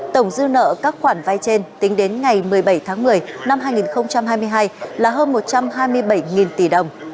tổng dư nợ các khoản vay trên tính đến ngày một mươi bảy tháng một mươi năm hai nghìn hai mươi hai là hơn một trăm hai mươi bảy tỷ đồng